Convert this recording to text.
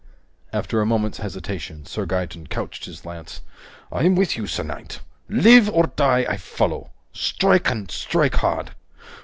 After a moment's hesitation, Sir Gaeton couched his lance. "I'm with you, sir knight! Live or die, I follow! Strike and strike hard!"